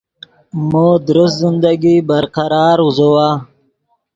مو درست زندگی برقرار اوزوّا